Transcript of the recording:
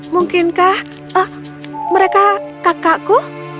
mungkinkah mereka kakakku